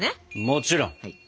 もちろん！